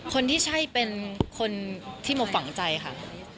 คนที่ใช่เป็นคนที่โมฝังใจค่ะ